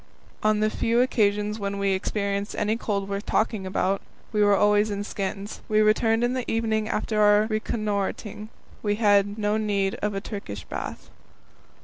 On the few occasions when we experienced any cold worth talking about, we were always in skins. When we returned in the evening after our reconnoitring, we had no need of a Turkish bath.